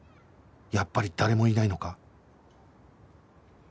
やっぱり誰もいないのか？